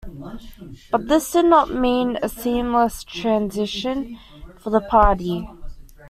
But this did not mean a seamless transition for the party.